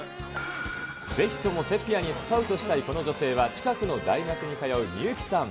ぜひともセピアにスカウトしたいこの女性は、近くの大学に通う美幸さん。